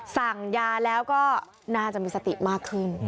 สั่งยาแล้วก็น่าจะมีสติมากขึ้น